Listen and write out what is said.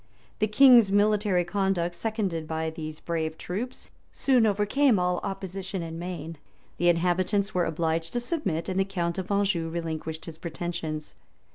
The king's military conduct, seconded by these brave troops, soon overcame all opposition in Maine: the inhabitants were obliged to submit, and the count of Anjou relinquished his pretensions.